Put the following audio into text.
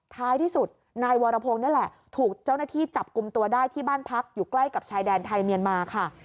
ท้ายที่สุดนายวรพงศ์นี่แหละถูกเจ้าหน้าที่จับกลุ่มตัวได้ที่บ้านพักอยู่ใกล้กับชายแดนไทยเมียนมาค่ะ